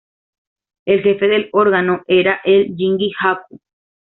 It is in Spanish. El jefe del órgano era el "Jingi-haku".